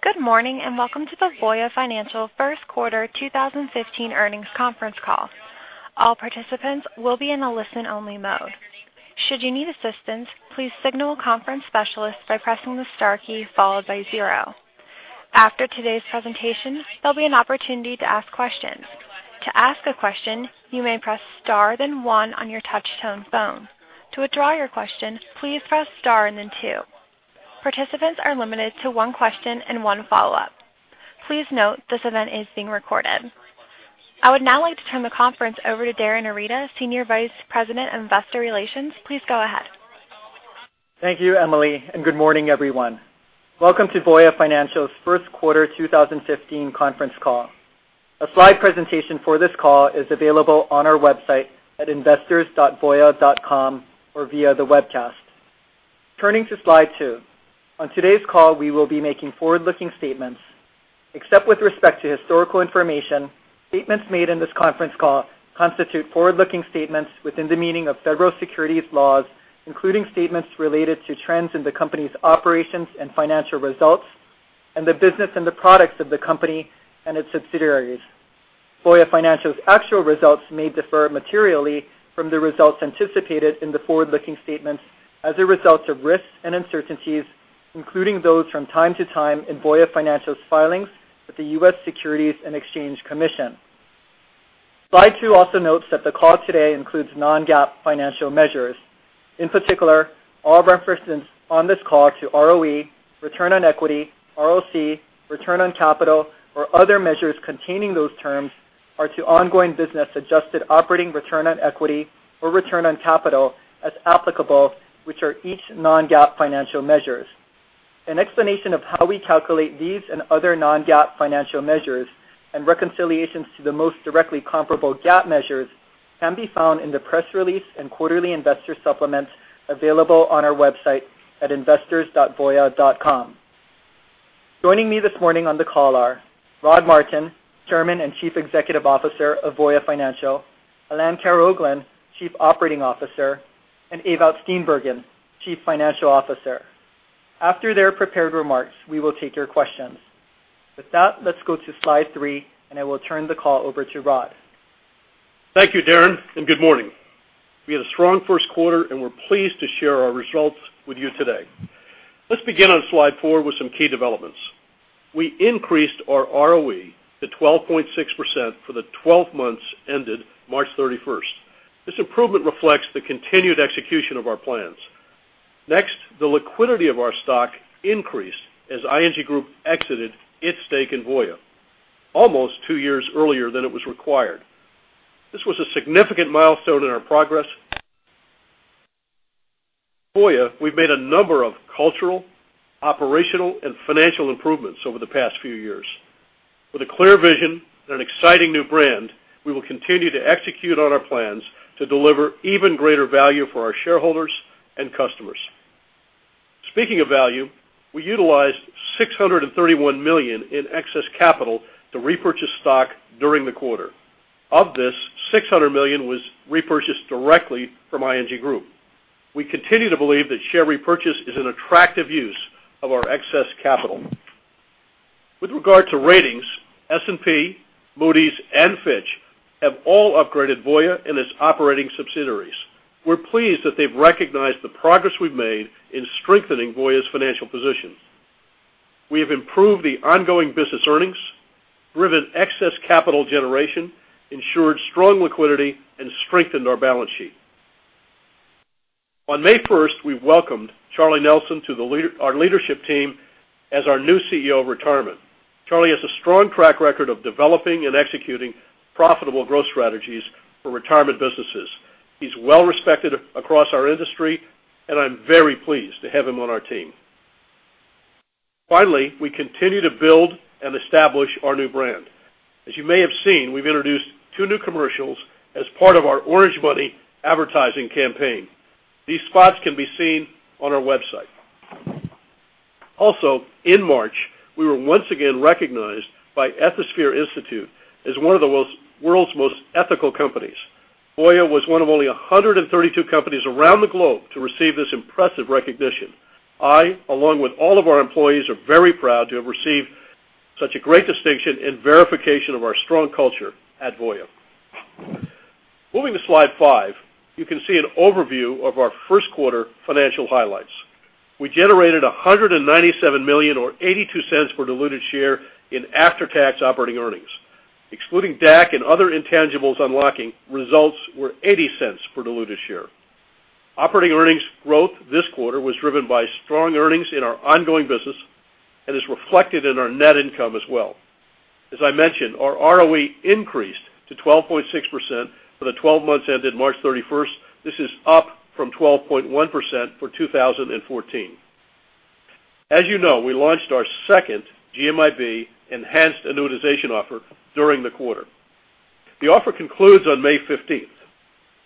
Good morning, and welcome to the Voya Financial First Quarter 2015 Earnings Conference Call. All participants will be in a listen only mode. Should you need assistance, please signal a conference specialist by pressing the star key followed by 0. After today's presentation, there will be an opportunity to ask questions. To ask a question, you may press star then 1 on your touch-tone phone. To withdraw your question, please press star then 2. Participants are limited to one question and one follow-up. Please note this event is being recorded. I would now like to turn the conference over to Darin Arita, Senior Vice President of Investor Relations. Please go ahead. Thank you, Emily, and good morning, everyone. Welcome to Voya Financial's first quarter 2015 conference call. A slide presentation for this call is available on our website at investors.voya.com or via the webcast. Turning to slide two. On today's call, we will be making forward-looking statements. Except with respect to historical information, statements made in this conference call constitute forward-looking statements within the meaning of federal securities laws, including statements related to trends in the company's operations and financial results, the business and the products of the company and its subsidiaries. Voya Financial's actual results may differ materially from the results anticipated in the forward-looking statements as a result of risks and uncertainties, including those from time to time in Voya Financial's filings with the U.S. Securities and Exchange Commission. Slide two also notes that the call today includes non-GAAP financial measures. In particular, all references on this call to ROE, return on equity, ROC, return on capital, or other measures containing those terms are to ongoing business adjusted operating return on equity or return on capital as applicable, which are each non-GAAP financial measures. An explanation of how we calculate these and other non-GAAP financial measures and reconciliations to the most directly comparable GAAP measures can be found in the press release and quarterly investor supplements available on our website at investors.voya.com. Joining me this morning on the call are Rod Martin, Chairman and Chief Executive Officer of Voya Financial, Alain Karaoglan, Chief Operating Officer, and Ewout Steenbergen, Chief Financial Officer. After their prepared remarks, we will take your questions. With that, let's go to slide three, and I will turn the call over to Rod. Thank you, Darin, and good morning. We had a strong first quarter, and we are pleased to share our results with you today. Let's begin on slide four with some key developments. We increased our ROE to 12.6% for the 12 months ended March 31st. This improvement reflects the continued execution of our plans. Next, the liquidity of our stock increased as ING Group exited its stake in Voya, almost two years earlier than it was required. This was a significant milestone in our progress. Voya, we have made a number of cultural, operational, and financial improvements over the past few years. With a clear vision and an exciting new brand, we will continue to execute on our plans to deliver even greater value for our shareholders and customers. Speaking of value, we utilized $631 million in excess capital to repurchase stock during the quarter. Of this, $600 million was repurchased directly from ING Group. We continue to believe that share repurchase is an attractive use of our excess capital. With regard to ratings, S&P, Moody's, and Fitch have all upgraded Voya and its operating subsidiaries. We're pleased that they've recognized the progress we've made in strengthening Voya's financial position. We have improved the ongoing business earnings, driven excess capital generation, ensured strong liquidity, and strengthened our balance sheet. On May 1st, we welcomed Charlie Nelson to our leadership team as our new CEO of Retirement. Charlie has a strong track record of developing and executing profitable growth strategies for retirement businesses. He's well respected across our industry, and I'm very pleased to have him on our team. Finally, we continue to build and establish our new brand. As you may have seen, we've introduced two new commercials as part of our Orange Money advertising campaign. These spots can be seen on our website. Also, in March, we were once again recognized by Ethisphere Institute as one of the world's most ethical companies. Voya was one of only 132 companies around the globe to receive this impressive recognition. I, along with all of our employees, are very proud to have received such a great distinction and verification of our strong culture at Voya. Moving to slide five, you can see an overview of our first quarter financial highlights. We generated $197 million, or $0.82 per diluted share in after-tax operating earnings. Excluding DAC and other intangibles, unlocking results were $0.80 per diluted share. Operating earnings growth this quarter was driven by strong earnings in our ongoing business and is reflected in our net income as well. As I mentioned, our ROE increased to 12.6% for the 12 months ended March 31st. This is up from 12.1% for 2014. As you know, we launched our second GMIB enhanced annuitization offer during the quarter. The offer concludes on May 15th.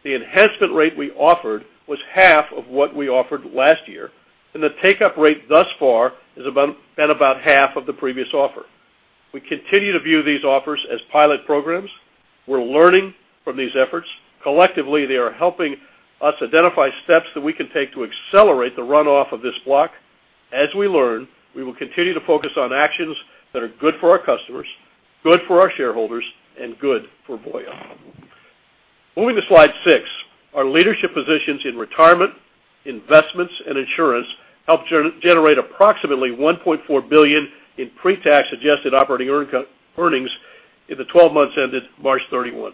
The enhancement rate we offered was half of what we offered last year, and the take-up rate thus far is at about half of the previous offer. We continue to view these offers as pilot programs. We're learning from these efforts. Collectively, they are helping us identify steps that we can take to accelerate the runoff of this block. As we learn, we will continue to focus on actions that are good for our customers, good for our shareholders, and good for Voya. Moving to slide six, our leadership positions in retirement, investments, and insurance helped generate approximately $1.4 billion in pre-tax adjusted operating earnings in the 12 months ended March 31.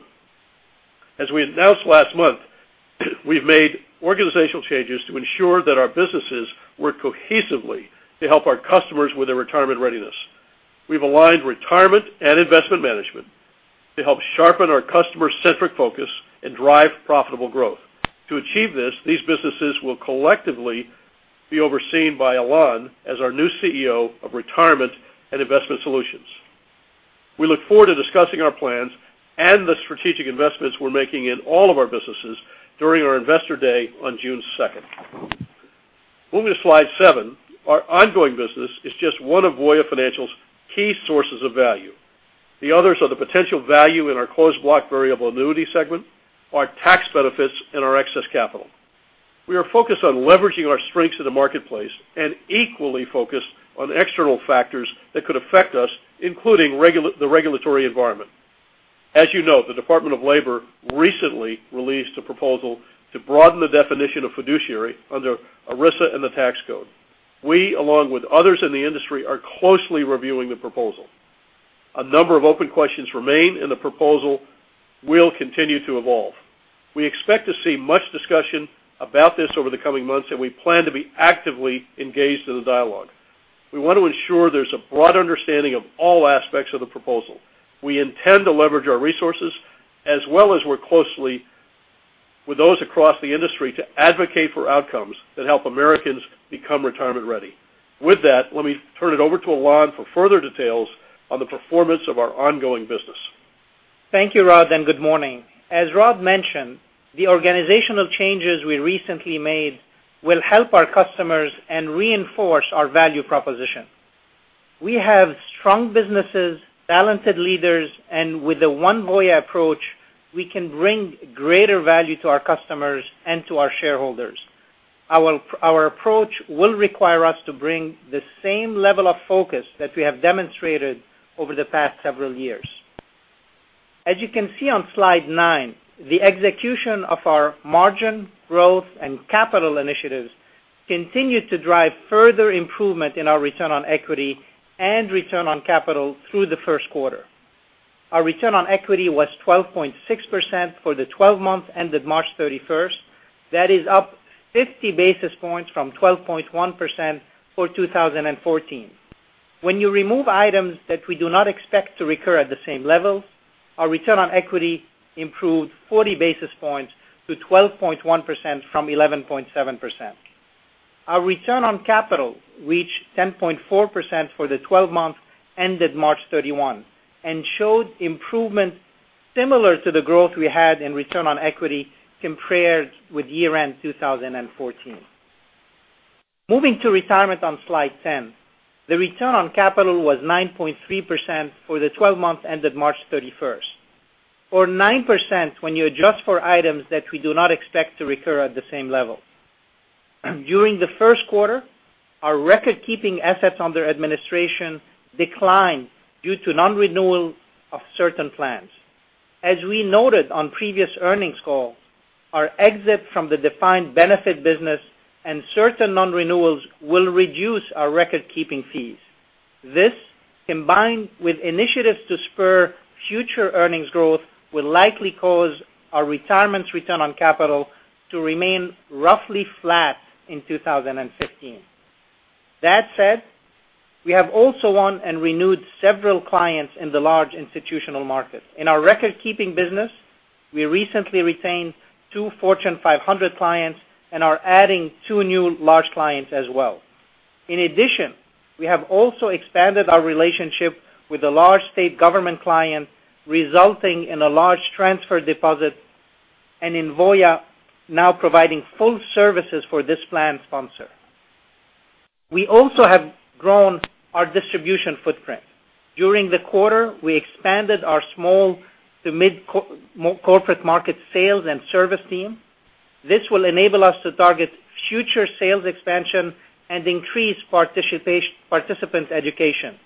As we announced last month, we've made organizational changes to ensure that our businesses work cohesively to help our customers with their retirement readiness. We've aligned retirement and investment management to help sharpen our customer-centric focus and drive profitable growth. To achieve this, these businesses will collectively be overseen by Alain as our new CEO of Retirement and Investment Solutions. We look forward to discussing our plans and the strategic investments we're making in all of our businesses during our Investor Day on June 2nd. Moving to slide seven, our ongoing business is just one of Voya Financial's key sources of value. The others are the potential value in our Closed Block Variable Annuity segment, our tax benefits, and our excess capital. We are focused on leveraging our strengths in the marketplace and equally focused on external factors that could affect us, including the regulatory environment. As you know, the Department of Labor recently released a proposal to broaden the definition of fiduciary under ERISA and the tax code. We, along with others in the industry, are closely reviewing the proposal. A number of open questions remain. The proposal will continue to evolve. We expect to see much discussion about this over the coming months. We plan to be actively engaged in the dialogue. We want to ensure there's a broad understanding of all aspects of the proposal. We intend to leverage our resources as well as work closely with those across the industry to advocate for outcomes that help Americans become retirement ready. With that, let me turn it over to Alain for further details on the performance of our ongoing business. Thank you, Rod, and good morning. As Rod mentioned, the organizational changes we recently made will help our customers and reinforce our value proposition. We have strong businesses, talented leaders, and with the One Voya approach, we can bring greater value to our customers and to our shareholders. Our approach will require us to bring the same level of focus that we have demonstrated over the past several years. As you can see on slide nine, the execution of our margin, growth, and capital initiatives continued to drive further improvement in our return on equity and return on capital through the first quarter. Our return on equity was 12.6% for the 12 months ended March 31. That is up 50 basis points from 12.1% for 2014. When you remove items that we do not expect to recur at the same level, our return on equity improved 40 basis points to 12.1% from 11.7%. Our return on capital reached 10.4% for the 12 months ended March 31 and showed improvement similar to the growth we had in return on equity compared with year-end 2014. Moving to retirement on slide 10, the return on capital was 9.3% for the 12 months ended March 31 or 9% when you adjust for items that we do not expect to recur at the same level. During the first quarter, our recordkeeping assets under administration declined due to non-renewal of certain plans. As we noted on previous earnings calls, our exit from the defined benefit business and certain non-renewals will reduce our recordkeeping fees. This, combined with initiatives to spur future earnings growth, will likely cause our retirement return on capital to remain roughly flat in 2015. That said, we have also won and renewed several clients in the large institutional market. In our recordkeeping business, we recently retained two Fortune 500 clients and are adding two new large clients as well. In addition, we have also expanded our relationship with a large state government client, resulting in a large transfer deposit and in Voya now providing full services for this plan sponsor. We also have grown our distribution footprint. During the quarter, we expanded our small to mid corporate market sales and service team. This will enable us to target future sales expansion and increase participant education.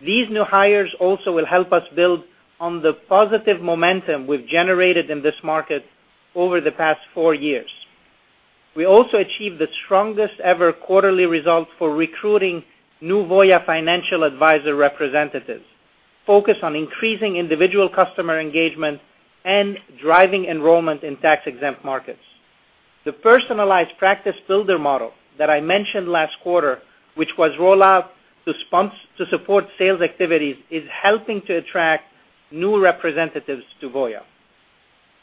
These new hires also will help us build on the positive momentum we've generated in this market over the past four years. We also achieved the strongest ever quarterly results for recruiting new Voya Financial advisor representatives, focused on increasing individual customer engagement and driving enrollment in tax-exempt markets. The personalized practice builder model that I mentioned last quarter, which was rolled out to support sales activities, is helping to attract new representatives to Voya.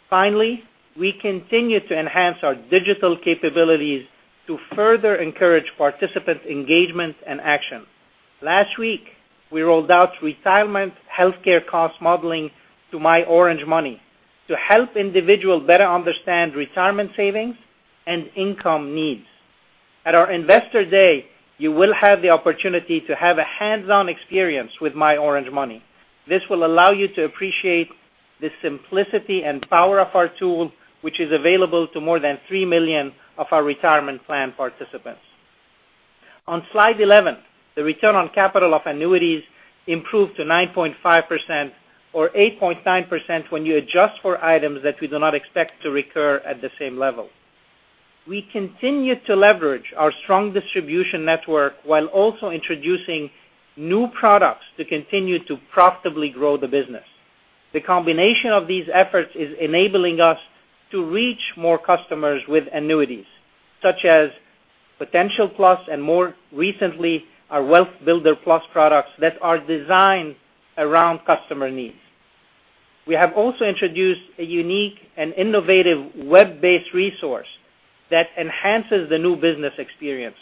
Finally, we continue to enhance our digital capabilities to further encourage participant engagement and action. Last week, we rolled out retirement healthcare cost modeling to myOrangeMoney to help individuals better understand retirement savings and income needs. At our Investor Day, you will have the opportunity to have a hands-on experience with myOrangeMoney. This will allow you to appreciate the simplicity and power of our tool, which is available to more than 3 million of our retirement plan participants. On slide 11, the return on capital of annuities improved to 9.5%, or 8.9% when you adjust for items that we do not expect to recur at the same level. We continue to leverage our strong distribution network while also introducing new products to continue to profitably grow the business. The combination of these efforts is enabling us to reach more customers with annuities, such as Potential Plus and more recently, our Wealth Builder Plus products that are designed around customer needs. We have also introduced a unique and innovative web-based resource that enhances the new business experience.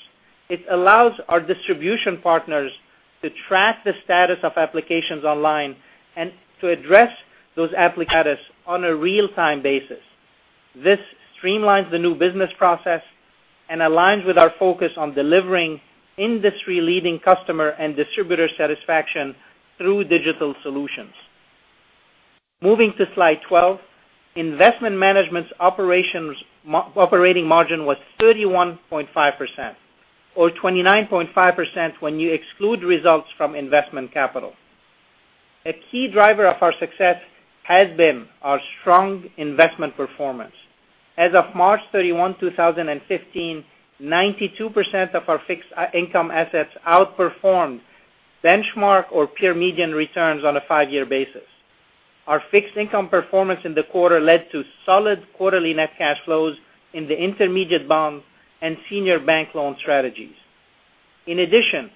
It allows our distribution partners to track the status of applications online and to address those applicants on a real-time basis. This streamlines the new business process and aligns with our focus on delivering industry-leading customer and distributor satisfaction through digital solutions. Moving to slide 12, Investment Management's operating margin was 31.5%, or 29.5% when you exclude results from investment capital. A key driver of our success has been our strong investment performance. As of March 31, 2015, 92% of our fixed income assets outperformed benchmark or peer median returns on a five-year basis. Our fixed income performance in the quarter led to solid quarterly net cash flows in the intermediate bond and senior bank loan strategies. In addition,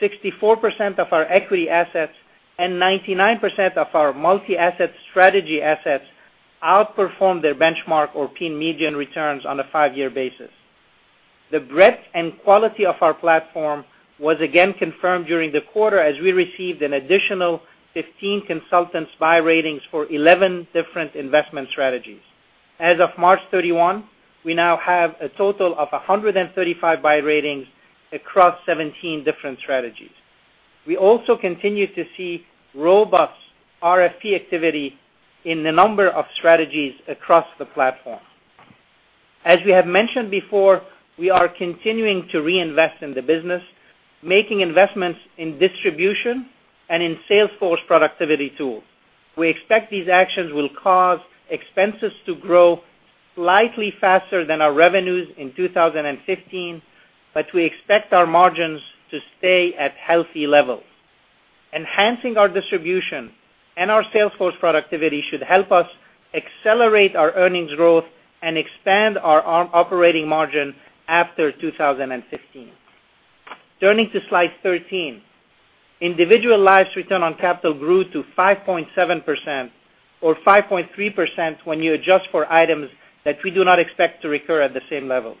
64% of our equity assets and 99% of our multi-asset strategy assets outperformed their benchmark or peer median returns on a five-year basis. The breadth and quality of our platform was again confirmed during the quarter as we received an additional 15 consultants' buy ratings for 11 different investment strategies. As of March 31, we now have a total of 135 buy ratings across 17 different strategies. We also continue to see robust RFP activity in the number of strategies across the platform. As we have mentioned before, we are continuing to reinvest in the business, making investments in distribution and in sales force productivity tools. We expect these actions will cause expenses to grow slightly faster than our revenues in 2015, but we expect our margins to stay at healthy levels. Enhancing our distribution and our sales force productivity should help us accelerate our earnings growth and expand our operating margin after 2015. Turning to slide 13, individual life's return on capital grew to 5.7%, or 5.3% when you adjust for items that we do not expect to recur at the same level.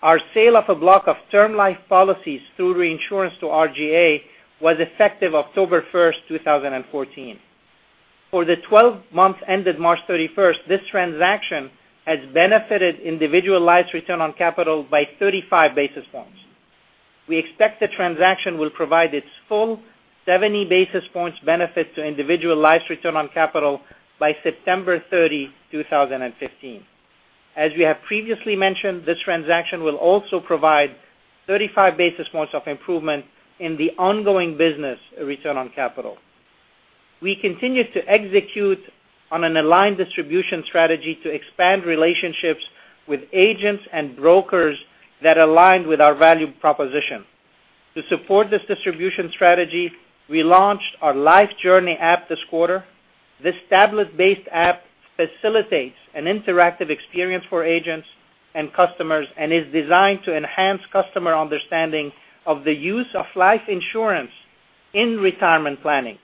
Our sale of a block of term life policies through reinsurance to RGA was effective October 1st, 2014. For the 12 months ended March 31st, this transaction has benefited individual life's return on capital by 35 basis points. We expect the transaction will provide its full 70 basis points benefit to individual life's return on capital by September 30, 2015. As we have previously mentioned, this transaction will also provide 35 basis points of improvement in the ongoing business return on capital. We continue to execute on an aligned distribution strategy to expand relationships with agents and brokers that align with our value proposition. To support this distribution strategy, we launched our Voya Life Journey app this quarter. This tablet-based app facilitates an interactive experience for agents and customers and is designed to enhance customer understanding of the use of life insurance in retirement planning.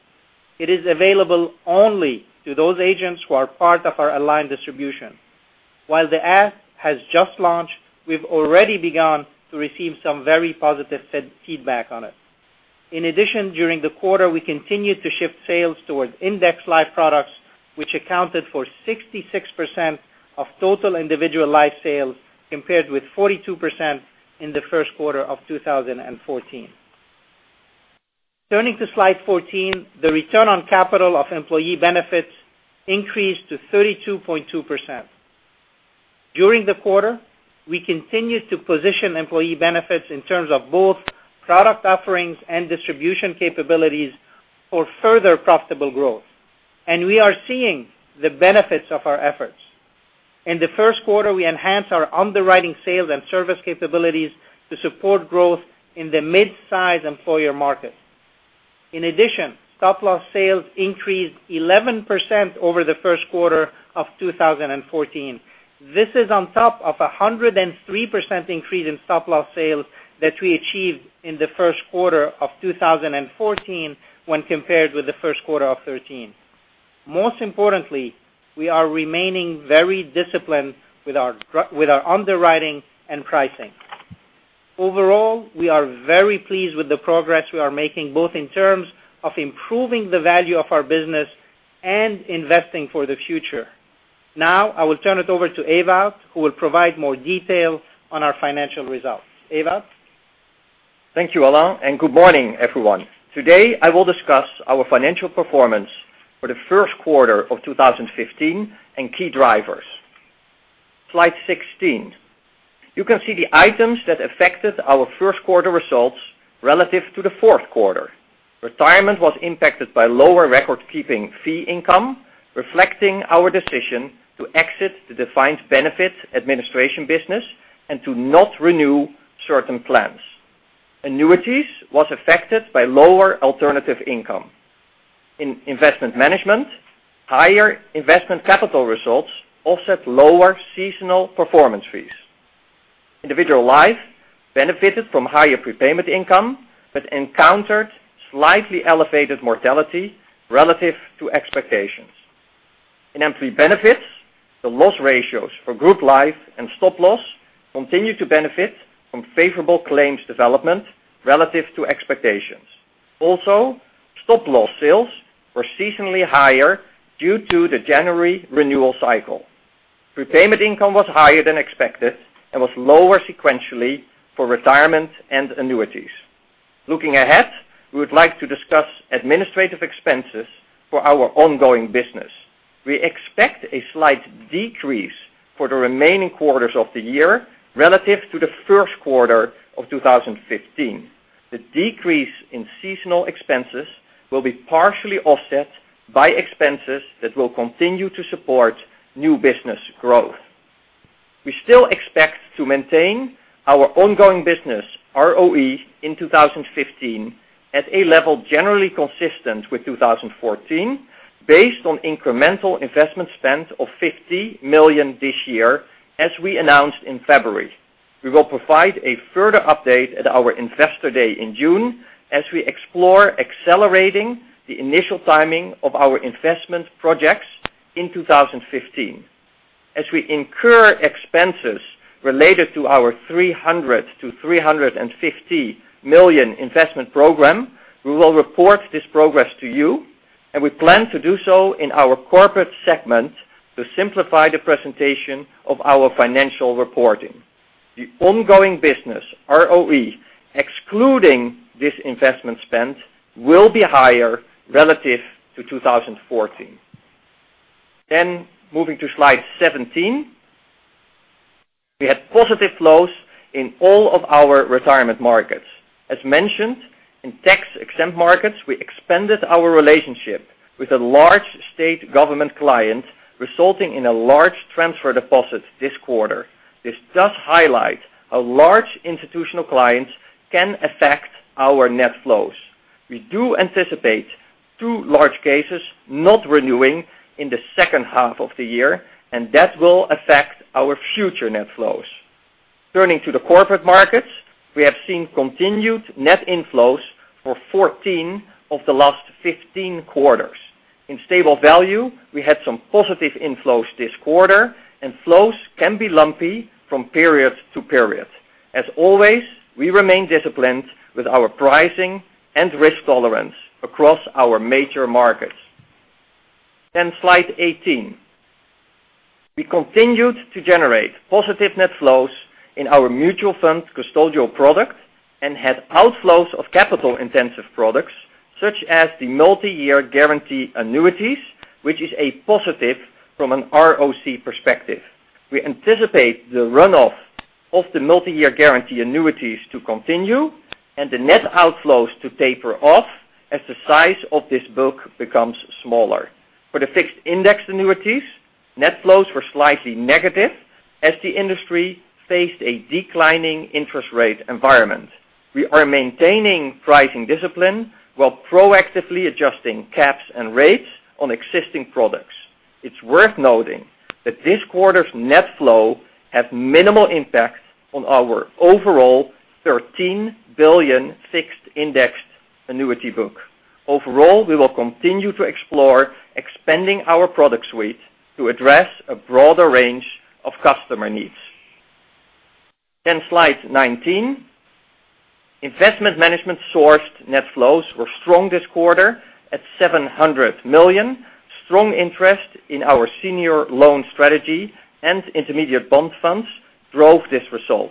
It is available only to those agents who are part of our aligned distribution. While the app has just launched, we've already begun to receive some very positive feedback on it. In addition, during the quarter, we continued to shift sales towards indexed life products, which accounted for 66% of total individual life sales, compared with 42% in the first quarter of 2014. Turning to slide 14, the return on capital of Employee Benefits increased to 32.2%. During the quarter, we continued to position Employee Benefits in terms of both product offerings and distribution capabilities for further profitable growth, and we are seeing the benefits of our efforts. In the first quarter, we enhanced our underwriting, sales, and service capabilities to support growth in the midsize employer market. In addition, stop loss sales increased 11% over the first quarter of 2014. This is on top of 103% increase in stop loss sales that we achieved in the first quarter of 2014 when compared with the first quarter of 2013. Most importantly, we are remaining very disciplined with our underwriting and pricing. Overall, we are very pleased with the progress we are making, both in terms of improving the value of our business and investing for the future. I will turn it over to Ewout, who will provide more detail on our financial results. Ewout? Thank you, Alain, and good morning, everyone. Today, I will discuss our financial performance for the first quarter of 2015 and key drivers. Slide 16. You can see the items that affected our first quarter results relative to the fourth quarter. Retirement was impacted by lower record keeping fee income, reflecting our decision to exit the defined benefits administration business and to not renew certain plans. Annuities was affected by lower alternative income. In investment management, higher investment capital results offset lower seasonal performance fees. Individual life benefited from higher prepayment income, but encountered slightly elevated mortality relative to expectations. In employee benefits, the loss ratios for group life and stop-loss continued to benefit from favorable claims development relative to expectations. Also, stop-loss sales were seasonally higher due to the January renewal cycle. Prepayment income was higher than expected and was lower sequentially for retirement and annuities. Looking ahead, we would like to discuss administrative expenses for our ongoing business. We expect a slight decrease for the remaining quarters of the year relative to the first quarter of 2015. The decrease in seasonal expenses will be partially offset by expenses that will continue to support new business growth. We still expect to maintain our ongoing business ROE in 2015 at a level generally consistent with 2014, based on incremental investment spend of $50 million this year, as we announced in February. We will provide a further update at our investor day in June as we explore accelerating the initial timing of our investment projects in 2015. As we incur expenses related to our $300 million-$350 million investment program, we will report this progress to you, and we plan to do so in our corporate segment to simplify the presentation of our financial reporting. The ongoing business ROE, excluding this investment spend, will be higher relative to 2014. Moving to slide 17. We had positive flows in all of our retirement markets. As mentioned, in tax-exempt markets, we expanded our relationship with a large state government client, resulting in a large transfer deposit this quarter. This does highlight how large institutional clients can affect our net flows. We do anticipate two large cases not renewing in the second half of the year, and that will affect our future net flows. Turning to the corporate markets, we have seen continued net inflows for 14 of the last 15 quarters. In stable value, we had some positive inflows this quarter, and flows can be lumpy from period to period. As always, we remain disciplined with our pricing and risk tolerance across our major markets. Slide 18. We continued to generate positive net flows in our mutual fund custodial product and had outflows of capital-intensive products, such as the multi-year guarantee annuities, which is a positive from an ROC perspective. We anticipate the run-off of the multi-year guarantee annuities to continue, and the net outflows to taper off as the size of this book becomes smaller. For the fixed index annuities, net flows were slightly negative as the industry faced a declining interest rate environment. We are maintaining pricing discipline while proactively adjusting caps and rates on existing products. It's worth noting that this quarter's net flow had minimal impact on our overall $13 billion fixed index annuity book. Overall, we will continue to explore expanding our product suite to address a broader range of customer needs. Slide 19. Investment management sourced net flows were strong this quarter at $700 million. Strong interest in our senior loan strategy and intermediate bond funds drove this result.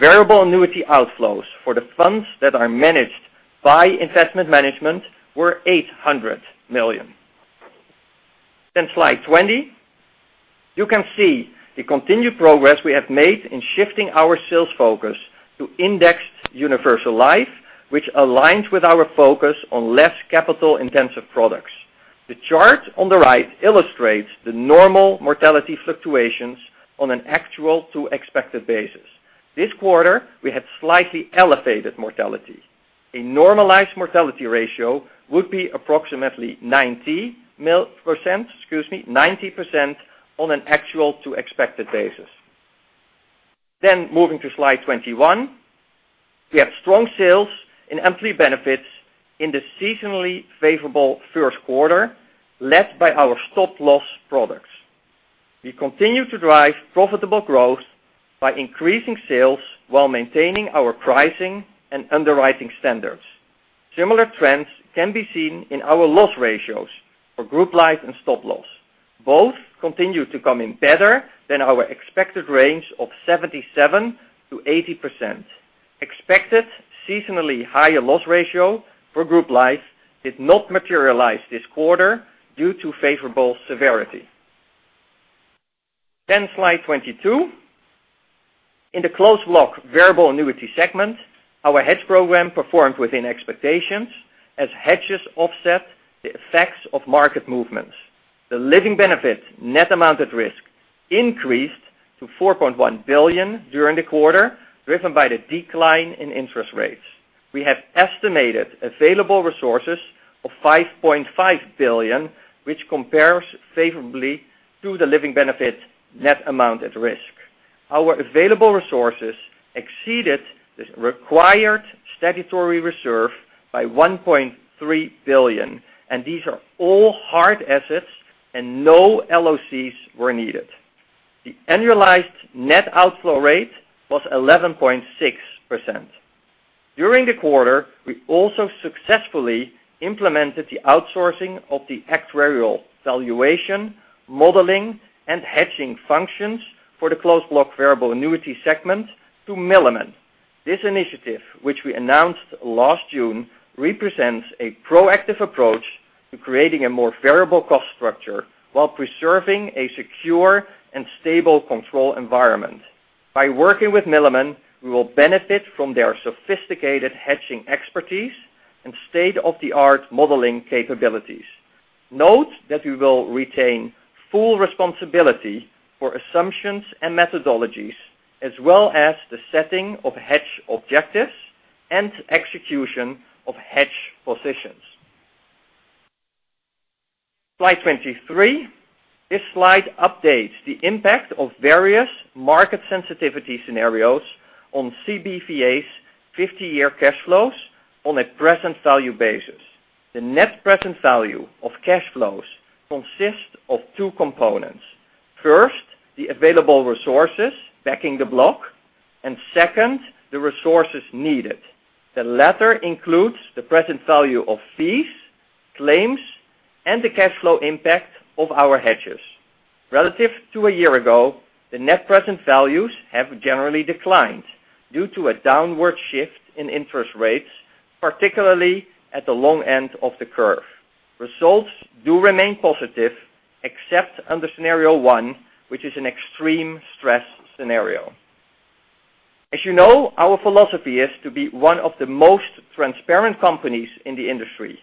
Variable annuity outflows for the funds that are managed by investment management were $800 million. Slide 20. You can see the continued progress we have made in shifting our sales focus to indexed universal life, which aligns with our focus on less capital-intensive products. The chart on the right illustrates the normal mortality fluctuations on an actual to expected basis. This quarter, we had slightly elevated mortality. A normalized mortality ratio would be approximately 90% on an actual to expected basis. Moving to slide 21. We have strong sales in employee benefits in the seasonally favorable first quarter, led by our stop loss products. We continue to drive profitable growth by increasing sales while maintaining our pricing and underwriting standards. Similar trends can be seen in our loss ratios for group life and stop loss. Both continue to come in better than our expected range of 77%-80%. Expected seasonally higher loss ratio for group life did not materialize this quarter due to favorable severity. Slide 22. In the Closed Block Variable Annuity segment, our hedge program performed within expectations as hedges offset the effects of market movements. The living benefit net amount at risk increased to $4.1 billion during the quarter, driven by the decline in interest rates. We have estimated available resources of $5.5 billion, which compares favorably to the living benefit net amount at risk. Our available resources exceeded this required statutory reserve by $1.3 billion, and these are all hard assets and no LOCs were needed. The annualized net outflow rate was 11.6%. During the quarter, we also successfully implemented the outsourcing of the actuarial valuation, modeling, and hedging functions for the Closed Block Variable Annuity segment to Milliman. This initiative, which we announced last June, represents a proactive approach to creating a more variable cost structure while preserving a secure and stable control environment. By working with Milliman, we will benefit from their sophisticated hedging expertise and state-of-the-art modeling capabilities. Note that we will retain full responsibility for assumptions and methodologies, as well as the setting of hedge objectives and execution of hedge positions. Slide 23. This slide updates the impact of various market sensitivity scenarios on CBVA's 50-year cash flows on a present value basis. The net present value of cash flows consists of two components. First, the available resources backing the block, and second, the resources needed. The latter includes the present value of fees, claims, and the cash flow impact of our hedges. Relative to a year ago, the net present values have generally declined due to a downward shift in interest rates, particularly at the long end of the curve. Results do remain positive, except under Scenario one, which is an extreme stress scenario. As you know, our philosophy is to be one of the most transparent companies in the industry.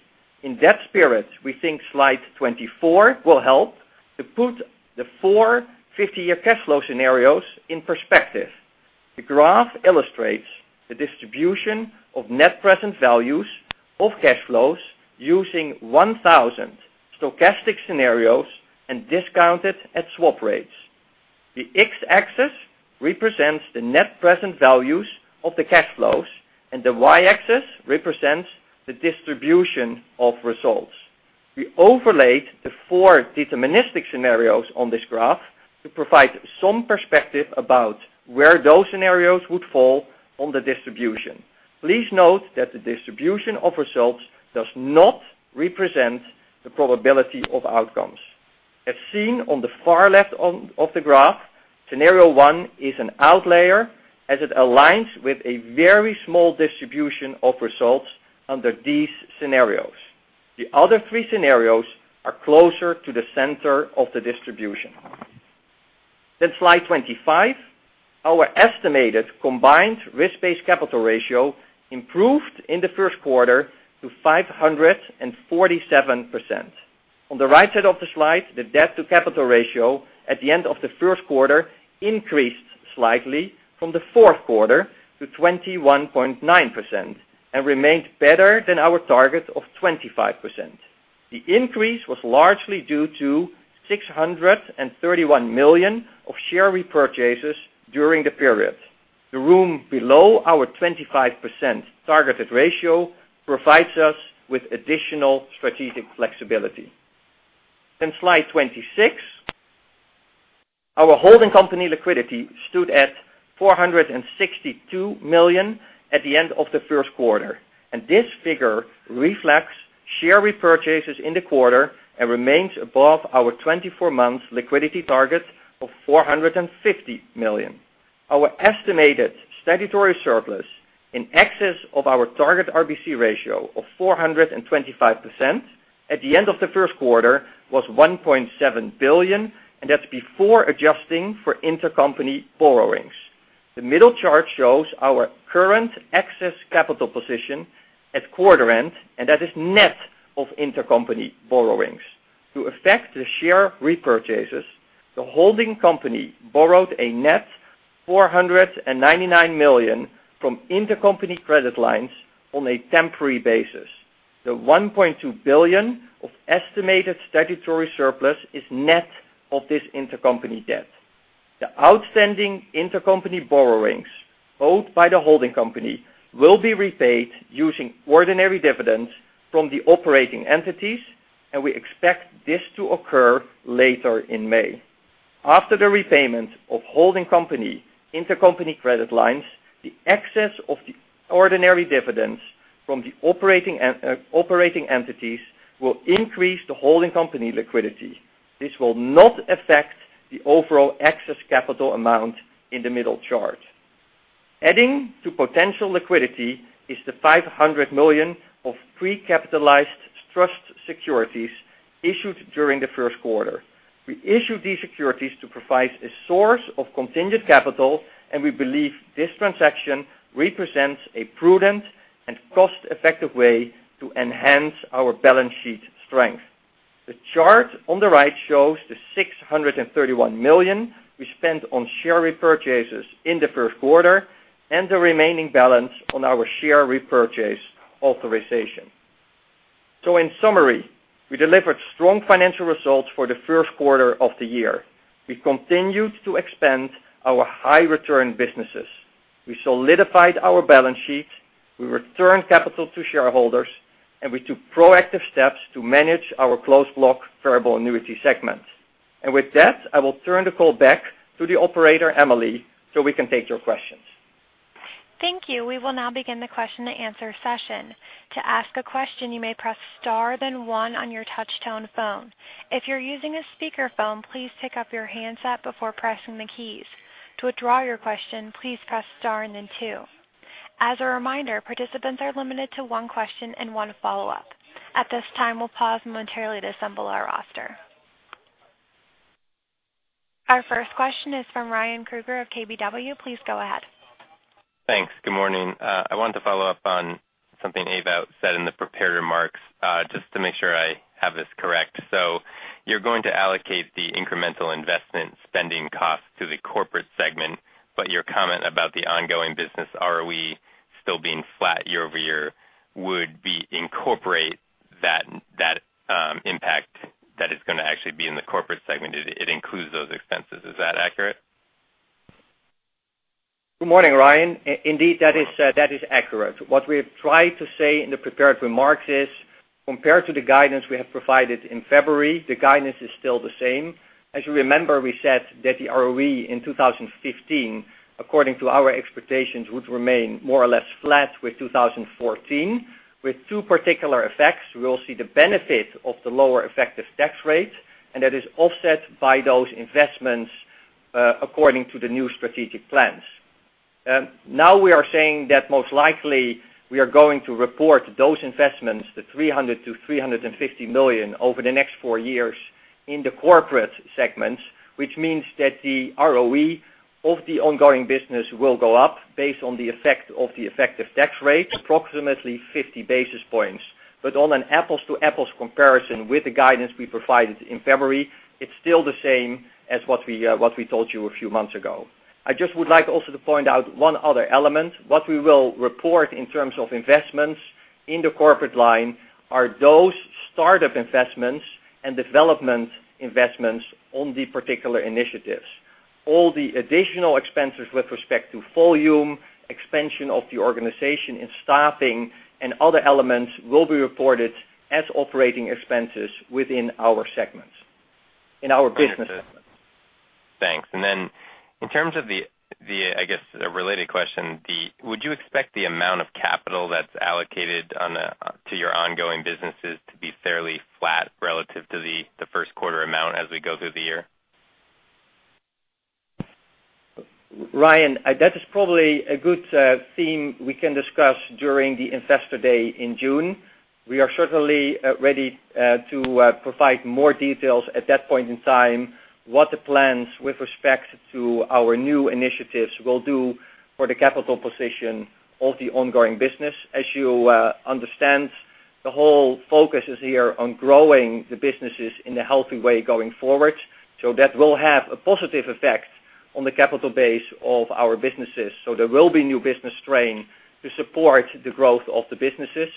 In that spirit, we think Slide 24 will help to put the four 50-year cash flow scenarios in perspective. The graph illustrates the distribution of net present values of cash flows using 1,000 stochastic scenarios and discounted at swap rates. The x-axis represents the net present values of the cash flows, and the y-axis represents the distribution of results. We overlaid the four deterministic scenarios on this graph to provide some perspective about where those scenarios would fall on the distribution. Please note that the distribution of results does not represent the probability of outcomes. As seen on the far left of the graph, Scenario 1 is an outlier as it aligns with a very small distribution of results under these scenarios. The other three scenarios are closer to the center of the distribution. Slide 25. Our estimated combined risk-based capital ratio improved in the first quarter to 547%. On the right side of the slide, the debt to capital ratio at the end of the first quarter increased slightly from the fourth quarter to 21.9% and remained better than our target of 25%. The increase was largely due to $631 million of share repurchases during the period. The room below our 25% targeted ratio provides us with additional strategic flexibility. Slide 26. Our holding company liquidity stood at $462 million at the end of the first quarter. This figure reflects share repurchases in the quarter and remains above our 24-month liquidity target of $450 million. Our estimated statutory surplus in excess of our target RBC ratio of 425% at the end of the first quarter was $1.7 billion, and that's before adjusting for intercompany borrowings. The middle chart shows our current excess capital position at quarter end, and that is net of intercompany borrowings. To effect the share repurchases, the holding company borrowed a net $499 million from intercompany credit lines on a temporary basis. The $1.2 billion of estimated statutory surplus is net of this intercompany debt. The outstanding intercompany borrowings owed by the holding company will be repaid using ordinary dividends from the operating entities, and we expect this to occur later in May. After the repayment of holding company intercompany credit lines, the excess of the ordinary dividends from the operating entities will increase the holding company liquidity. This will not affect the overall excess capital amount in the middle chart. Adding to potential liquidity is the $500 million of pre-capitalized trust securities issued during the first quarter. We issued these securities to provide a source of contingent capital, and we believe this transaction represents a prudent and cost-effective way to enhance our balance sheet strength. The chart on the right shows the $631 million we spent on share repurchases in the first quarter and the remaining balance on our share repurchase authorization. In summary, we delivered strong financial results for the first quarter of the year. We continued to expand our high-return businesses. We solidified our balance sheet. We returned capital to shareholders, and we took proactive steps to manage our Closed Block Variable Annuity segment. With that, I will turn the call back to the operator, Emily, so we can take your questions. Thank you. We will now begin the question and answer session. To ask a question, you may press star, then one on your touch-tone phone. If you're using a speakerphone, please pick up your handset before pressing the keys. To withdraw your question, please press star and then two. As a reminder, participants are limited to one question and one follow-up. At this time, we'll pause momentarily to assemble our roster. Our first question is from Ryan Krueger of KBW. Please go ahead. Thanks. Good morning. I wanted to follow up on something Ewout said in the prepared remarks, just to make sure I have this correct. You're going to allocate the incremental investment spending cost to the corporate segment, but your comment about the ongoing business ROE still being flat year-over-year would incorporate that impact that is going to actually be in the corporate segment. It includes those expenses. Is that accurate? Good morning, Ryan. Indeed, that is accurate. What we have tried to say in the prepared remarks is, compared to the guidance we have provided in February, the guidance is still the same. As you remember, we said that the ROE in 2015, according to our expectations, would remain more or less flat with 2014, with two particular effects. We will see the benefit of the lower effective tax rate, and that is offset by those investments, according to the new strategic plans. We are saying that most likely we are going to report those investments, the $300 million-$350 million over the next four years in the corporate segments. Which means that the ROE of the ongoing business will go up based on the effect of the effective tax rate, approximately 50 basis points. On an apples-to-apples comparison with the guidance we provided in February, it's still the same as what we told you a few months ago. I just would like also to point out one other element. What we will report in terms of investments in the corporate line are those startup investments and development investments on the particular initiatives. All the additional expenses with respect to volume, expansion of the organization in staffing and other elements will be reported as operating expenses within our segments, in our business segments. Understood. Thanks. In terms of the, I guess, related question, would you expect the amount of capital that's allocated to your ongoing businesses to be fairly flat relative to the first quarter amount as we go through the year? Ryan, that is probably a good theme we can discuss during the Investor Day in June. We are certainly ready to provide more details at that point in time, what the plans with respect to our new initiatives will do for the capital position of the ongoing business. As you understand, the whole focus is here on growing the businesses in a healthy way going forward. That will have a positive effect on the capital base of our businesses. There will be new business strain to support the growth of the businesses,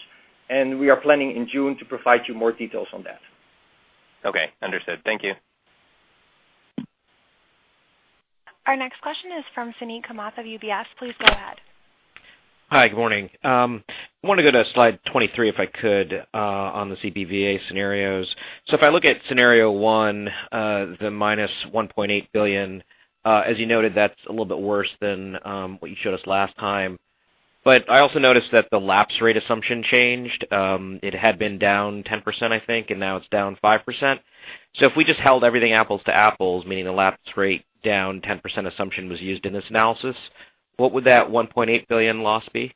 we are planning in June to provide you more details on that. Okay. Understood. Thank you. Our next question is from Suneet Kamath of UBS. Please go ahead. Hi. Good morning. I want to go to slide 23, if I could, on the CBVA scenarios. If I look at scenario one, the -$1.8 billion, as you noted, that's a little bit worse than what you showed us last time. I also noticed that the lapse rate assumption changed. It had been down 10%, I think, and now it's down 5%. If we just held everything apples to apples, meaning the lapse rate down 10% assumption was used in this analysis, what would that $1.8 billion loss be?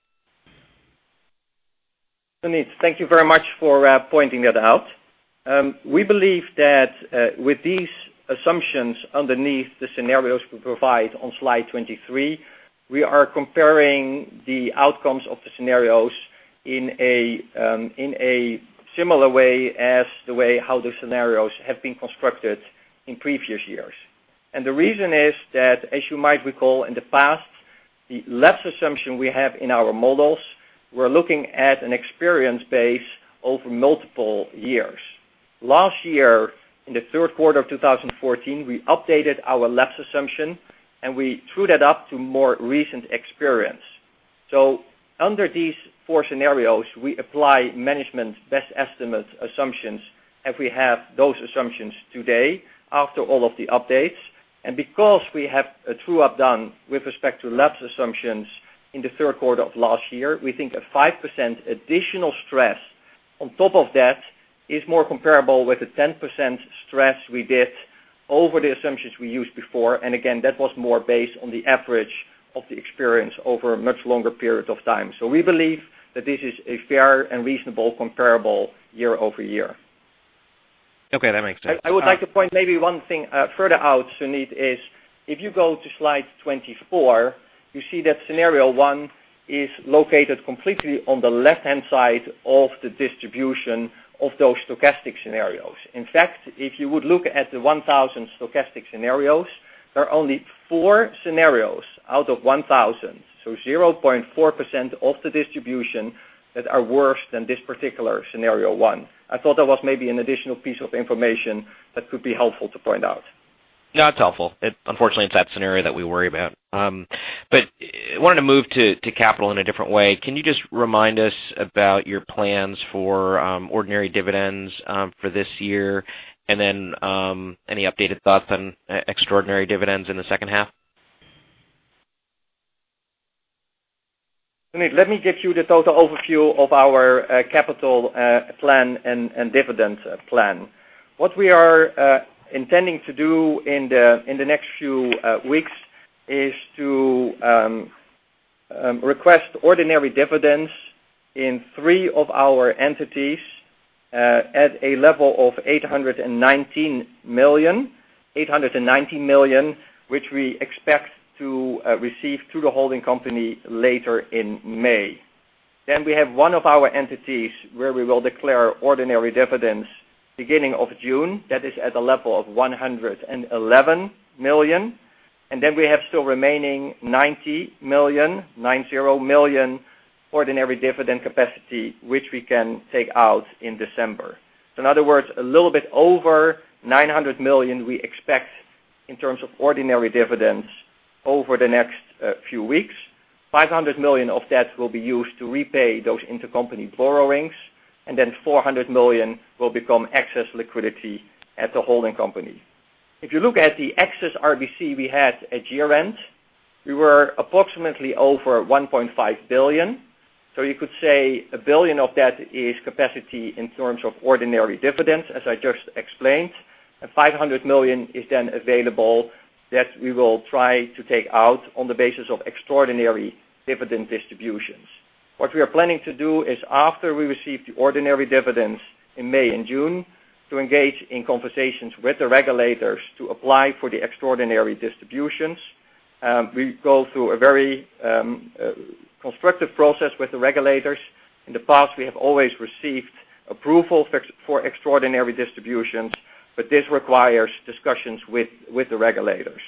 Suneet, thank you very much for pointing that out. We believe that with these assumptions underneath the scenarios we provide on slide 23, we are comparing the outcomes of the scenarios in a similar way as the way how the scenarios have been constructed in previous years. The reason is that, as you might recall, in the past, the lapse assumption we have in our models, we're looking at an experience base over multiple years. Last year, in the third quarter of 2014, we updated our lapse assumption, and we threw that up to more recent experience. Under these four scenarios, we apply management's best estimate assumptions if we have those assumptions today after all of the updates. Because we have a true-up done with respect to lapse assumptions in the third quarter of last year, we think a 5% additional stress on top of that is more comparable with the 10% stress we did over the assumptions we used before. Again, that was more based on the average of the experience over much longer periods of time. We believe that this is a fair and reasonable comparable year-over-year. Okay, that makes sense. I would like to point maybe one thing further out, Suneet, is if you go to slide 24, you see that scenario one is located completely on the left-hand side of the distribution of those stochastic scenarios. In fact, if you would look at the 1,000 stochastic scenarios, there are only four scenarios out of 1,000. 0.4% of the distribution that are worse than this particular scenario one. I thought that was maybe an additional piece of information that could be helpful to point out. No, it's helpful. Unfortunately, it's that scenario that we worry about. Wanted to move to capital in a different way. Can you just remind us about your plans for ordinary dividends for this year? Any updated thoughts on extraordinary dividends in the second half? Suneet, let me give you the total overview of our capital plan and dividend plan. What we are intending to do in the next few weeks is to request ordinary dividends in three of our entities at a level of $819 million. $819 million, which we expect to receive through the holding company later in May. We have one of our entities where we will declare ordinary dividends beginning of June. That is at a level of $111 million. We have still remaining $90 million, $90 million, ordinary dividend capacity, which we can take out in December. In other words, a little bit over $900 million we expect in terms of ordinary dividends over the next few weeks. $500 million of that will be used to repay those intercompany borrowings. $400 million will become excess liquidity at the holding company. If you look at the excess RBC we had at year-end, we were approximately over $1.5 billion. You could say $1 billion of that is capacity in terms of ordinary dividends, as I just explained, and $500 million is then available that we will try to take out on the basis of extraordinary dividend distributions. What we are planning to do is after we receive the ordinary dividends in May and June, to engage in conversations with the regulators to apply for the extraordinary distributions. We go through a very constructive process with the regulators. In the past, we have always received approval for extraordinary distributions. This requires discussions with the regulators.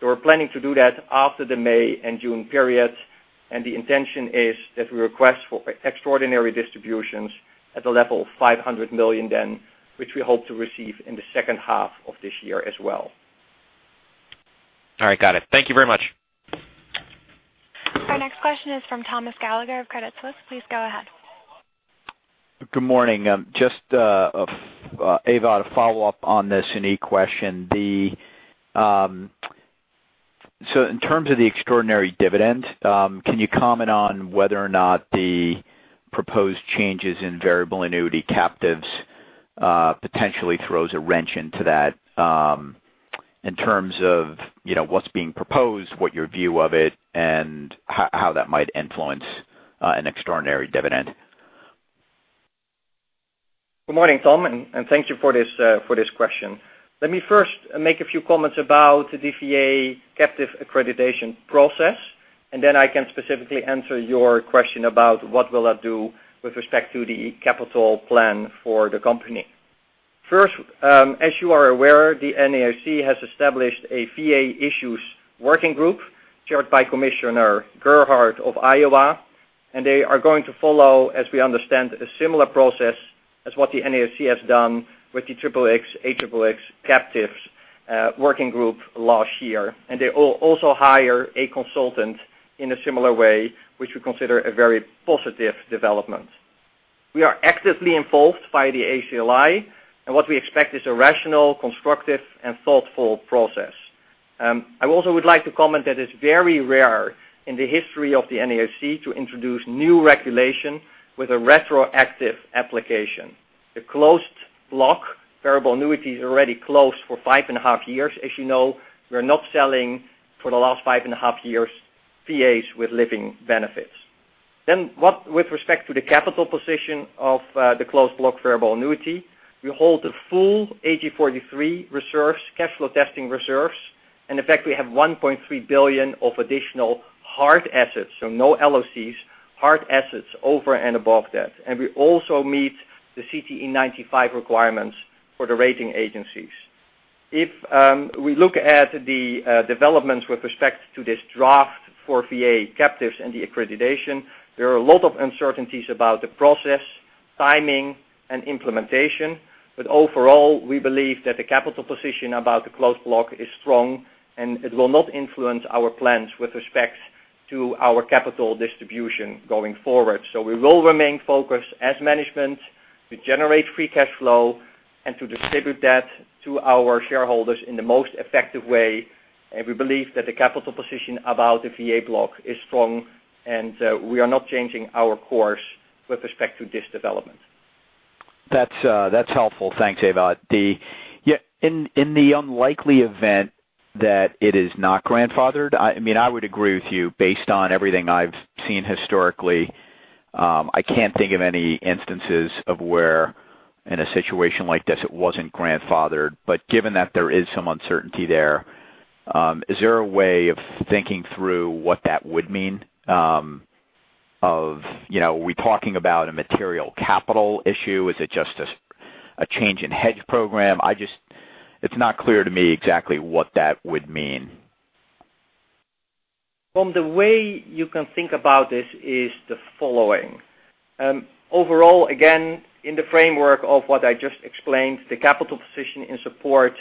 We're planning to do that after the May and June periods. The intention is that we request for extraordinary distributions at a level of $500 million then, which we hope to receive in the second half of this year as well. All right. Got it. Thank you very much. Our next question is from Thomas Gallagher of Credit Suisse. Please go ahead. Good morning. Just, Ewout, to follow up on the Suneet question. In terms of the extraordinary dividend, can you comment on whether or not the proposed changes in variable annuity captives potentially throws a wrench into that, in terms of what's being proposed, what your view of it, and how that might influence an extraordinary dividend? Good morning, Tom, and thank you for this question. Let me first make a few comments about the VA captive accreditation process, and then I can specifically answer your question about what will that do with respect to the capital plan for the company. First, as you are aware, the NAIC has established a VA issues working group chaired by Commissioner Gerhart of Iowa, and they are going to follow, as we understand, a similar process as what the NAIC has done with the Regulation XXX, AXXX captives working group last year. They also hire a consultant in a similar way, which we consider a very positive development. We are actively involved by the ACLI, and what we expect is a rational, constructive, and thoughtful process. I also would like to comment that it's very rare in the history of the NAIC to introduce new regulation with a retroactive application. The Closed Block Variable Annuities already closed for five and a half years. As you know, we're not selling for the last five and a half years VAs with living benefits. With respect to the capital position of the Closed Block Variable Annuity, we hold the full AG 43 reserves, cash flow testing reserves. In fact, we have $1.3 billion of additional hard assets, so no LOCs, hard assets over and above that. We also meet the CTE 95 requirements for the rating agencies. If we look at the developments with respect to this draft for VA captives and the accreditation, there are a lot of uncertainties about the process timing and implementation. Overall, we believe that the capital position about the closed block is strong, and it will not influence our plans with respect to our capital distribution going forward. We will remain focused as management to generate free cash flow and to distribute that to our shareholders in the most effective way. We believe that the capital position about the VA block is strong, and we are not changing our course with respect to this development. That's helpful. Thanks, Ewout. In the unlikely event that it is not grandfathered, I would agree with you based on everything I've seen historically. I can't think of any instances of where, in a situation like this, it wasn't grandfathered. Given that there is some uncertainty there, is there a way of thinking through what that would mean? Are we talking about a material capital issue? Is it just a change in hedge program? It's not clear to me exactly what that would mean. Tom, the way you can think about this is the following. Overall, again, in the framework of what I just explained, the capital position in support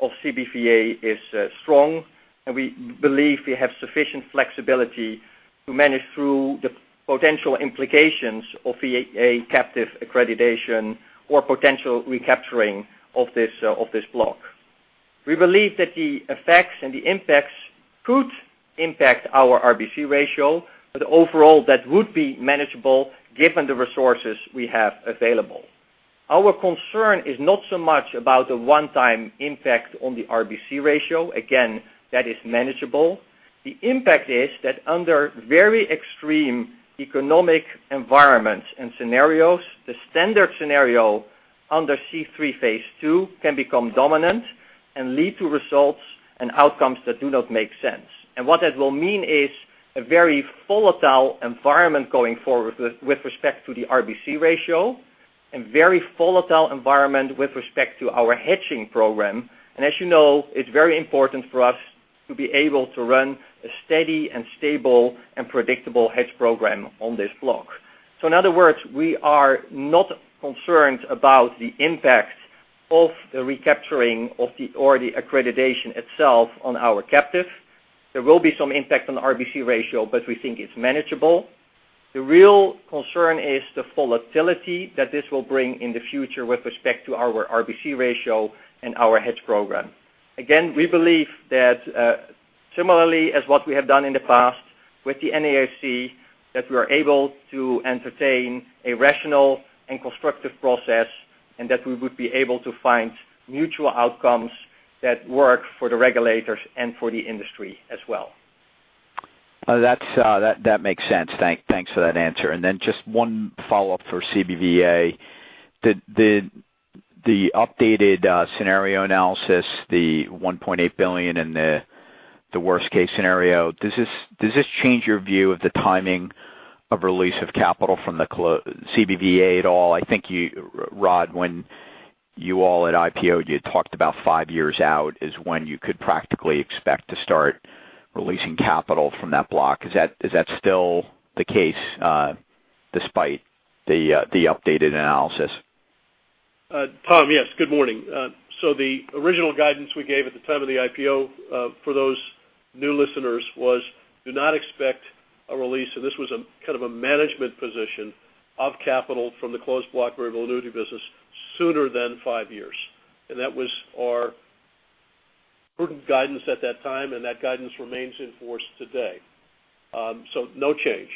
of CBVA is strong, and we believe we have sufficient flexibility to manage through the potential implications of VA captive accreditation or potential recapturing of this block. We believe that the effects and the impacts could impact our RBC ratio, but overall, that would be manageable given the resources we have available. Our concern is not so much about the one-time impact on the RBC ratio. Again, that is manageable. The impact is that under very extreme economic environments and scenarios, the standard scenario under C-3 Phase II can become dominant and lead to results and outcomes that do not make sense. What that will mean is a very volatile environment going forward with respect to the RBC ratio and very volatile environment with respect to our hedging program. As you know, it's very important for us to be able to run a steady and stable and predictable hedge program on this block. In other words, we are not concerned about the impact of the recapturing or the accreditation itself on our captive. There will be some impact on the RBC ratio, but we think it's manageable. The real concern is the volatility that this will bring in the future with respect to our RBC ratio and our hedge program. Again, we believe that similarly as what we have done in the past with the NAIC, that we are able to entertain a rational and constructive process, and that we would be able to find mutual outcomes that work for the regulators and for the industry as well. That makes sense. Thanks for that answer. Then just one follow-up for CBVA. The updated scenario analysis, the $1.8 billion and the worst-case scenario, does this change your view of the timing of release of capital from the CBVA at all? I think, Rod, when you all at IPO, you talked about five years out is when you could practically expect to start releasing capital from that block. Is that still the case despite the updated analysis? Thomas, yes. Good morning. The original guidance we gave at the time of the IPO, for those new listeners, was do not expect a release. This was a management position of capital from the Closed Block Variable Annuity business sooner than 5 years. That was our prudent guidance at that time, and that guidance remains in force today. No change.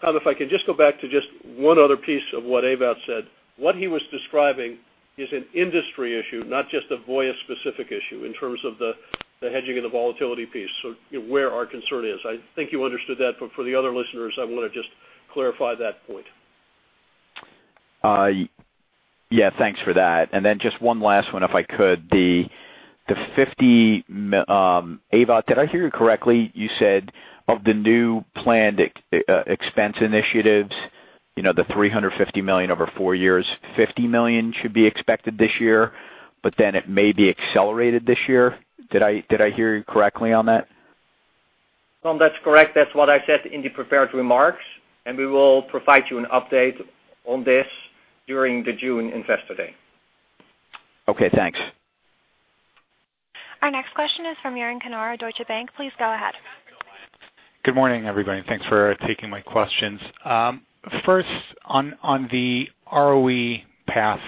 Thomas, if I can just go back to just one other piece of what Ewout Steenbergen said. What he was describing is an industry issue, not just a Voya-specific issue in terms of the hedging and the volatility piece. Where our concern is. I think you understood that, but for the other listeners, I want to just clarify that point. Yeah, thanks for that. Just one last one, if I could. Ewout Steenbergen, did I hear you correctly? You said of the new planned expense initiatives, the $350 million over 4 years, $50 million should be expected this year, but then it may be accelerated this year. Did I hear you correctly on that? Thomas, that's correct. That's what I said in the prepared remarks, we will provide you an update on this during the June investor day. Okay, thanks. Our next question is from Jeroen van den Oever, Deutsche Bank. Please go ahead. Good morning, everybody. Thanks for taking my questions. First, on the ROE path.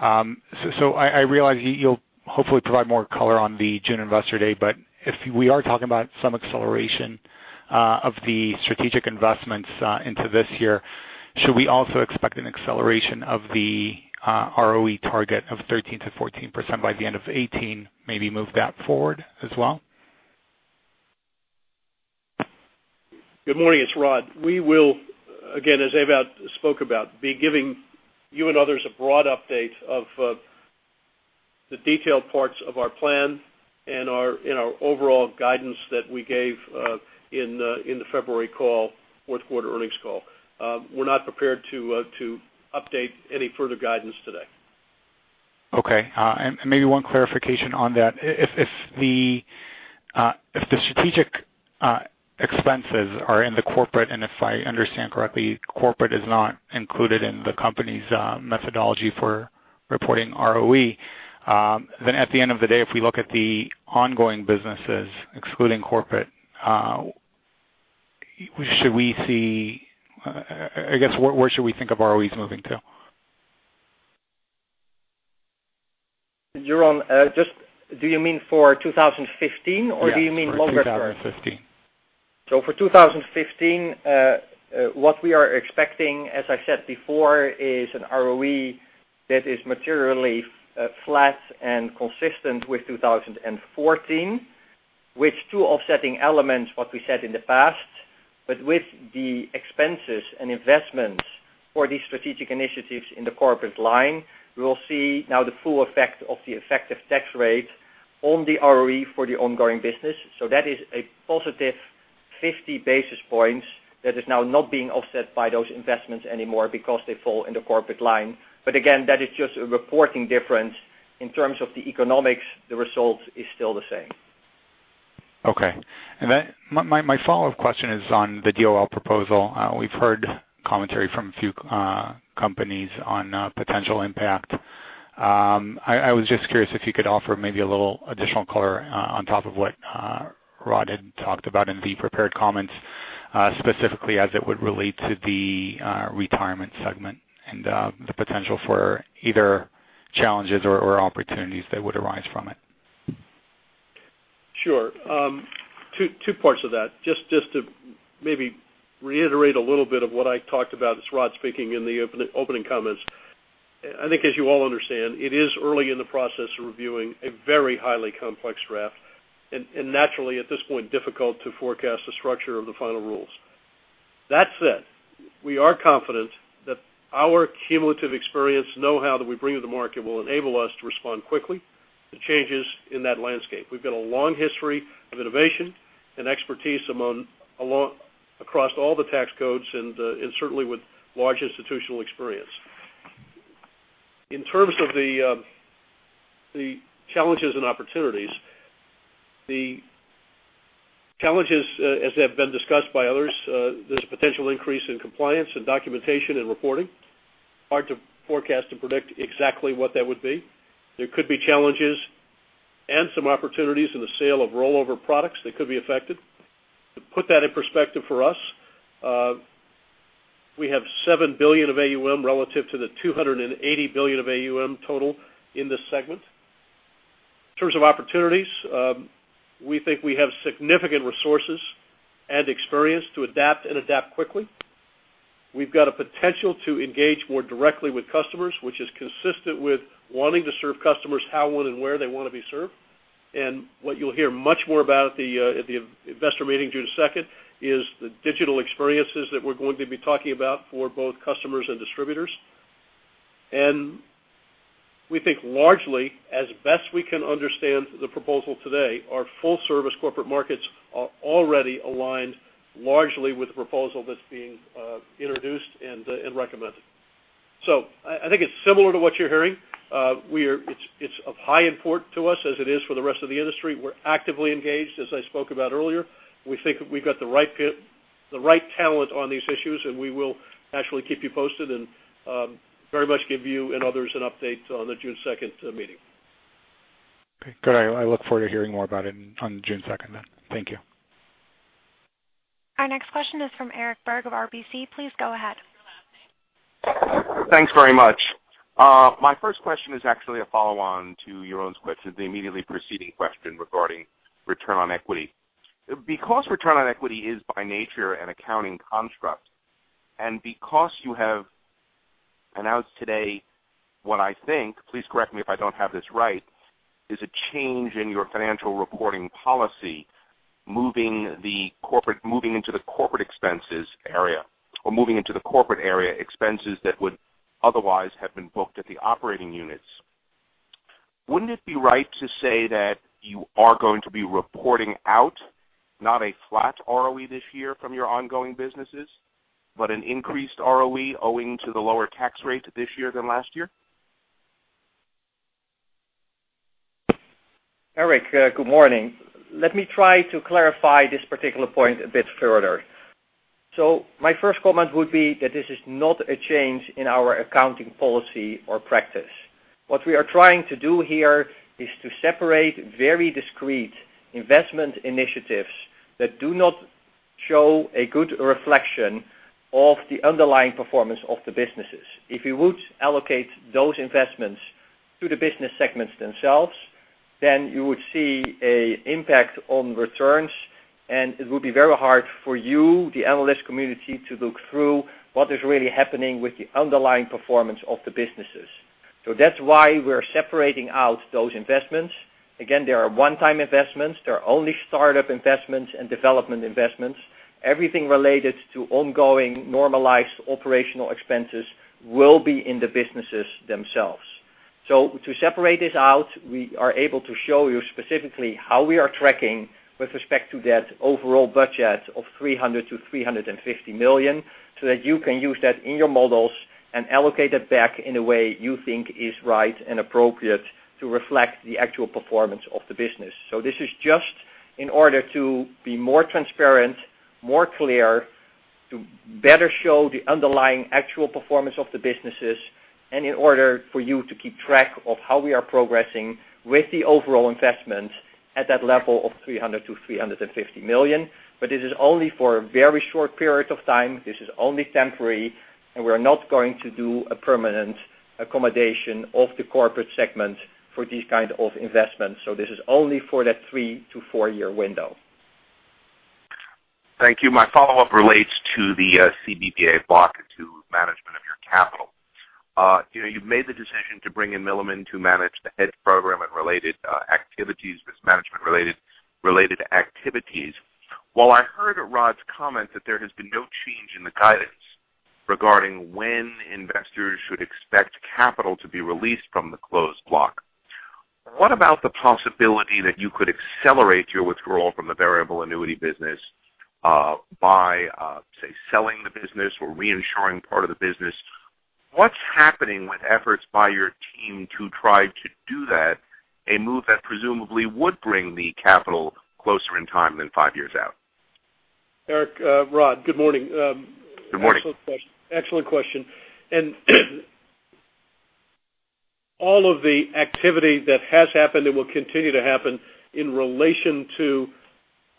I realize you'll hopefully provide more color on the June investor day, but if we are talking about some acceleration of the strategic investments into this year, should we also expect an acceleration of the ROE target of 13%-14% by the end of 2018, maybe move that forward as well? Good morning. It's Rod. We will, again, as Ewout spoke about, be giving you and others a broad update of the detailed parts of our plan and our overall guidance that we gave in the February call, fourth quarter earnings call. We're not prepared to update any further guidance today. Okay. Maybe one clarification on that. If the strategic expenses are in the corporate, and if I understand correctly, corporate is not included in the company's methodology for reporting ROE, then at the end of the day, if we look at the ongoing businesses excluding corporate, where should we think of ROEs moving to? Jeroen, do you mean for 2015, or do you mean longer term? Yeah, for 2015. For 2015, what we are expecting, as I said before, is an ROE that is materially flat and consistent with 2014. With two offsetting elements, what we said in the past, but with the expenses and investments for these strategic initiatives in the corporate line, we will see now the full effect of the effective tax rate on the ROE for the ongoing business. That is a positive 50 basis points that is now not being offset by those investments anymore because they fall in the corporate line. Again, that is just a reporting difference. In terms of the economics, the result is still the same. Okay. My follow-up question is on the DOL proposal. We've heard commentary from a few companies on potential impact. I was just curious if you could offer maybe a little additional color on top of what Rod had talked about in the prepared comments, specifically as it would relate to the Retirement segment and the potential for either challenges or opportunities that would arise from it. Sure. Two parts of that. Just to maybe reiterate a little bit of what I talked about, it's Rod speaking, in the opening comments. I think as you all understand, it is early in the process of reviewing a very highly complex draft. Naturally, at this point, difficult to forecast the structure of the final rules. That said, we are confident that our cumulative experience know-how that we bring to the market will enable us to respond quickly to changes in that landscape. We've got a long history of innovation and expertise across all the tax codes and certainly with large institutional experience. In terms of the challenges and opportunities, the challenges, as they have been discussed by others, there's a potential increase in compliance and documentation and reporting. Hard to forecast and predict exactly what that would be. There could be challenges and some opportunities in the sale of rollover products that could be affected. To put that in perspective for us, we have $7 billion of AUM relative to the $280 billion of AUM total in this segment. In terms of opportunities, we think we have significant resources and experience to adapt and adapt quickly. We've got a potential to engage more directly with customers, which is consistent with wanting to serve customers how, when, and where they want to be served. What you'll hear much more about at the investor meeting June 2nd is the digital experiences that we're going to be talking about for both customers and distributors. We think largely, as best we can understand the proposal today, our full-service corporate markets are already aligned largely with the proposal that's being introduced and recommended. I think it's similar to what you're hearing. It's of high import to us as it is for the rest of the industry. We're actively engaged, as I spoke about earlier. We think we've got the right talent on these issues, and we will naturally keep you posted and very much give you and others an update on the June 2nd meeting. Okay, good. I look forward to hearing more about it on June 2nd then. Thank you. Our next question is from Eric Berg of RBC. Please go ahead. Thanks very much. My first question is actually a follow-on to Jeroen's question, the immediately preceding question regarding return on equity. Because return on equity is by nature an accounting construct, and because you have announced today what I think, please correct me if I don't have this right, is a change in your financial reporting policy, moving into the corporate expenses area or moving into the corporate area expenses that would otherwise have been booked at the operating units. Wouldn't it be right to say that you are going to be reporting out not a flat ROE this year from your ongoing businesses, but an increased ROE owing to the lower tax rate this year than last year? Eric, good morning. Let me try to clarify this particular point a bit further. My first comment would be that this is not a change in our accounting policy or practice. What we are trying to do here is to separate very discreet investment initiatives that do not show a good reflection of the underlying performance of the businesses. If you would allocate those investments to the business segments themselves, then you would see an impact on returns, and it would be very hard for you, the analyst community, to look through what is really happening with the underlying performance of the businesses. That's why we're separating out those investments. Again, they are one-time investments. They are only startup investments and development investments. Everything related to ongoing normalized operational expenses will be in the businesses themselves. To separate this out, we are able to show you specifically how we are tracking with respect to that overall budget of $300 million to $350 million so that you can use that in your models and allocate it back in a way you think is right and appropriate to reflect the actual performance of the business. This is just In order to be more transparent, more clear, to better show the underlying actual performance of the businesses, and in order for you to keep track of how we are progressing with the overall investment at that level of $300 million to $350 million. This is only for a very short period of time. This is only temporary, and we're not going to do a permanent accommodation of the corporate segment for these kind of investments. This is only for that three to four-year window. Thank you. My follow-up relates to the CBVA block and to management of your capital. You've made the decision to bring in Milliman to manage the hedge program and related activities. While I heard Rod's comment that there has been no change in the guidance regarding when investors should expect capital to be released from the closed block, what about the possibility that you could accelerate your withdrawal from the variable annuity business by, say, selling the business or reinsuring part of the business? What's happening with efforts by your team to try to do that, a move that presumably would bring the capital closer in time than 5 years out? Eric, Rod, good morning. Good morning. Excellent question. All of the activity that has happened and will continue to happen in relation to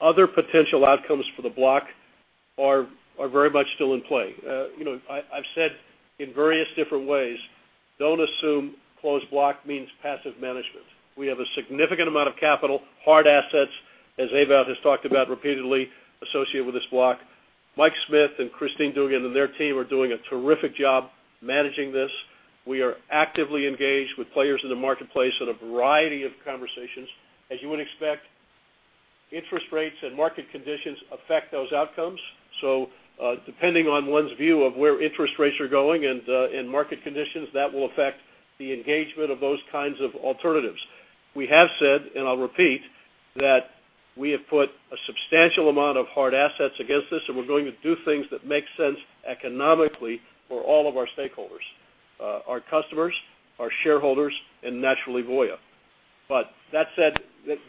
other potential outcomes for the block are very much still in play. I've said in various different ways, don't assume closed block means passive management. We have a significant amount of capital, hard assets, as Ewout has talked about repeatedly, associated with this block. Michael Smith and Christine Dugan and their team are doing a terrific job managing this. We are actively engaged with players in the marketplace in a variety of conversations. As you would expect, interest rates and market conditions affect those outcomes. Depending on one's view of where interest rates are going and market conditions, that will affect the engagement of those kinds of alternatives. We have said, I'll repeat, that we have put a substantial amount of hard assets against this, we're going to do things that make sense economically for all of our stakeholders, our customers, our shareholders, and naturally, Voya. That said,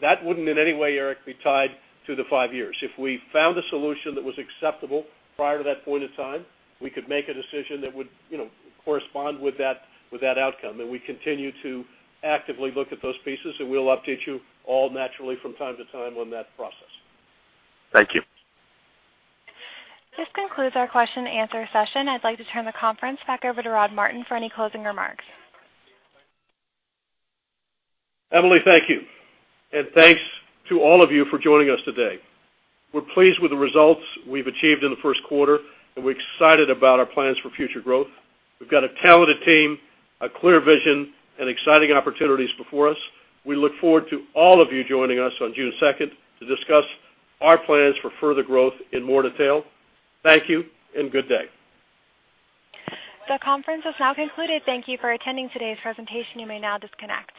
that wouldn't in any way, Eric, be tied to the 5 years. If we found a solution that was acceptable prior to that point in time, we could make a decision that would correspond with that outcome. We continue to actively look at those pieces, we'll update you all naturally from time to time on that process. Thank you. This concludes our question and answer session. I'd like to turn the conference back over to Rod Martin for any closing remarks. Emily, thank you. Thanks to all of you for joining us today. We're pleased with the results we've achieved in the first quarter, we're excited about our plans for future growth. We've got a talented team, a clear vision, and exciting opportunities before us. We look forward to all of you joining us on June 2nd to discuss our plans for further growth in more detail. Thank you, good day. The conference has now concluded. Thank you for attending today's presentation. You may now disconnect.